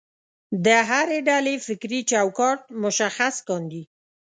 د هرې ډلې فکري چوکاټ مشخص کاندي.